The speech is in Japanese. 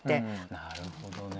なるほどね。